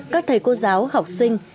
các thầy cô giáo học sinh